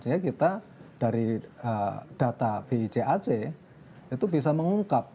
sehingga kita dari data bicac itu bisa mengungkap